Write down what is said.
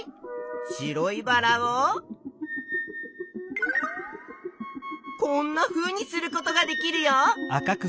白いバラをこんなふうにすることができるよ！